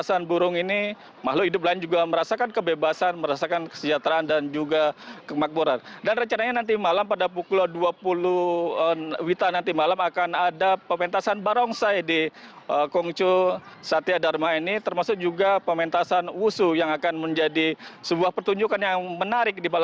sampai jumpa di video selanjutnya